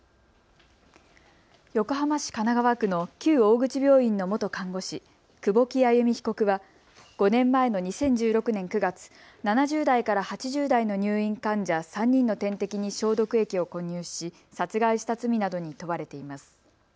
横浜市神奈川区の旧大口病院の元看護師、久保木愛弓被告は５年前の２０１６年９月、７０代から８０代の入院患者３人の点滴に消毒液を混入し殺害した罪などに問われています。